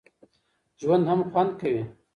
ژوند هم خوند کوي.